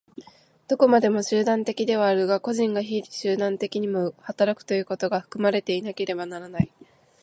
どこまでも集団的ではあるが、個人が非集団的にも働くということが含まれていなければならない。